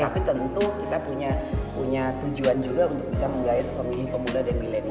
tapi tentu kita punya tujuan juga untuk bisa menggait pemilih pemuda dan milenial